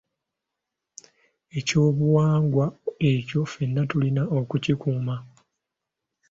Ekyobuwangwa ekyo ffenna tulina okukikuuma.